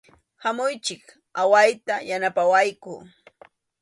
Hamuychik, awayta yanapawayku.